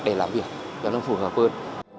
để làm việc cho nó phù hợp hơn